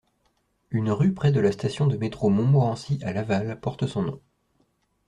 Une rue près de la station de métro Montmorency à Laval porte son nom.